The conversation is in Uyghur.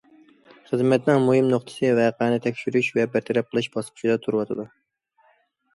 خىزمەتنىڭ مۇھىم نۇقتىسى ۋەقەنى تەكشۈرۈش ۋە بىر تەرەپ قىلىش باسقۇچىدا تۇرۇۋاتىدۇ.